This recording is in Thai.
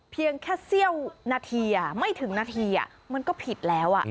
เพียงแค่เสี้ยวนาทีไม่ถึงนาทีมันก็ผิดแล้ว